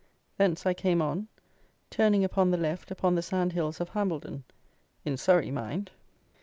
Thence I came on, turning upon the left upon the sand hills of Hambledon (in Surrey, mind).